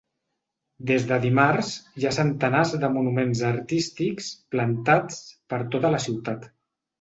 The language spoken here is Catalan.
Des de dimarts hi ha centenars de monuments artístics ‘plantats’ per tota la ciutat.